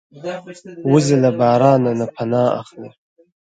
وزې له باران نه پناه اخلي